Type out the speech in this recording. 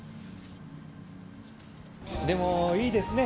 でもいいですね。